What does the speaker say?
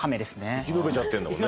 生き延びちゃってるんだもんね。